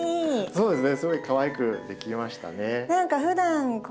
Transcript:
そうですね。